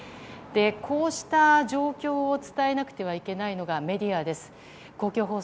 こうした状況を伝えなくてはいけないのがメディアです。